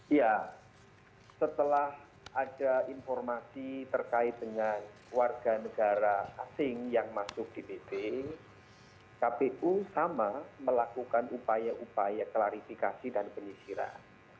iya setelah ada informasi terkait dengan warga negara asing yang masuk dpp kpu sama melakukan upaya upaya klarifikasi dan penyisiran